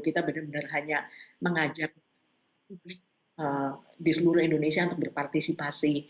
kita benar benar hanya mengajak publik di seluruh indonesia untuk berpartisipasi